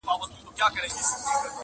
جواب يې راکړ د خپلوۍ خبره ورانه سوله,